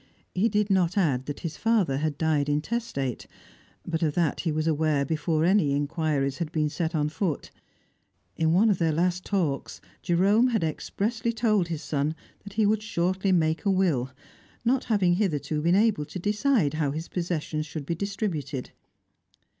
He did not add that his father had died intestate, but of that he was aware before any inquiries had been set on foot; in one of their last talks, Jerome had expressly told his son that he would shortly make a will, not having hitherto been able to decide how his possessions should be distributed.